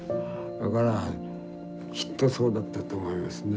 だからきっとそうだったと思いますね。